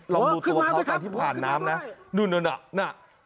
ลองดูตัวเท้าที่ผ่านน้ำนะ